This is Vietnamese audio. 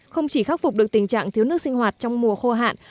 không chỉ khắc phục được tình trạng thiếu nước sinh hoạt trong mùa khô hạn